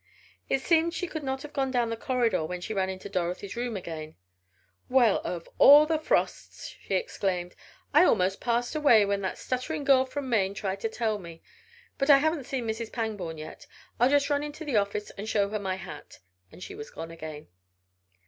It seemed she could not have gone down the corridor when she ran into Dorothy's room again. "Well, of all the frosts!" she exclaimed. "I almost passed away when that stuttering girl from Maine tried to tell me. But I haven't seen Mrs. Pangborn yet. I'll just run into the office and show her my hat," and she was gone again.